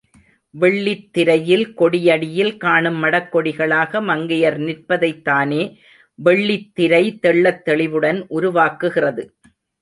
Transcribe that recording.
வெள்ளித் திரையில் கொடியடியில் காணும் மடக்கொடிகளாக மங்கையர் நிற்பதைத்தானே வெள்ளித்திரை தெள்ளத்தெளிவுடன் உருவாக்குகிறது.